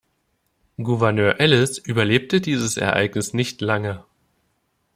Gouverneur Ellis überlebte dieses Ereignis nicht lange.